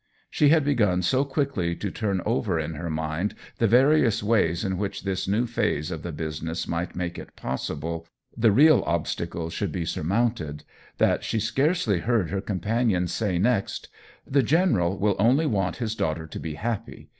She had begun so quickly to turn over in her mind the various ways in which this new phase of the business might make it pos sible the real obstacle should be sur mounted that she scarcely heard her com panion say next :" The General will only want his daughter to be happy.